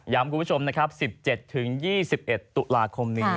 คุณผู้ชมนะครับ๑๗๒๑ตุลาคมนี้